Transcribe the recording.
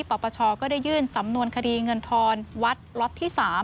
ปปชก็ได้ยื่นสำนวนคดีเงินทอนวัดล็อตที่๓